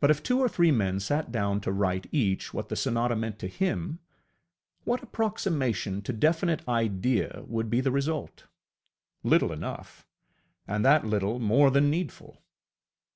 But if two or three men sat down to write each what the sonata meant to him, what approximation to definite idea would be the result? Little enough and that little more than needful.